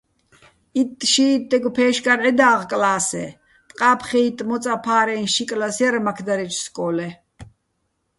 იტტ-შიიტტეგ ფეშკარ ჺედა́ღ კლა́სე, ტყაფხიიტტ მოწაფა́რეჼ ში კლას ჲარ მაქდარეჩო̆ სკო́ლე.